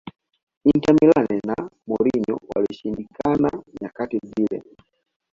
Inter Milan na Mourinho walishindikana nyakati zile